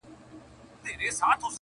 په زرګونو به تر تېغ لاندي قتلیږي -